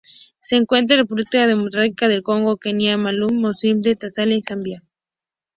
Se encuentra en República Democrática del Congo, Kenia, Malaui, Mozambique, Tanzania y Zambia.